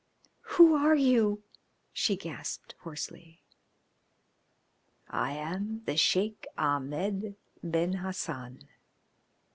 "Who are you?" she gasped hoarsely. "I am the Sheik Ahmed Ben Hassan."